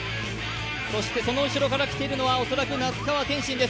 そしてその後ろから来ているのは恐らく那須川天心です。